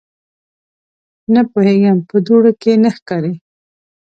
_نه پوهېږم، په دوړو کې نه ښکاري.